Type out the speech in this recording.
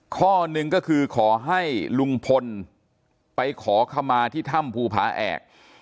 ข้อหนึ่งก็คือขอให้ลุงพลไปขอขมาที่ถ้ำภูผาแอก